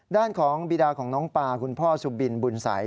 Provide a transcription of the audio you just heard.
ด้านของบีดาของน้องปาคุณพ่อสุบินบุญสัย